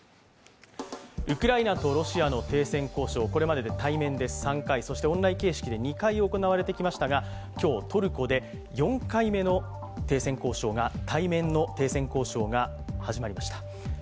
ウクライナとロシアの停戦交渉、これまでで対面で３回オンライン形式で２回行われてきましたが今日、トルコで４回目の対面の停戦交渉が始まりました。